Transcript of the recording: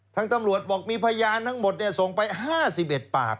ทางตำรวจบอกมีพยานทั้งหมดส่งไป๕๑ปาก